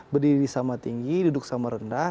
berdiri sama tinggi duduk sama rendah